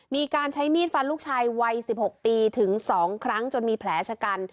มีการใช้มีดฟันลูกชายวัย๑๖ปีถึง๒ครั้งจนมีแผลชะกัน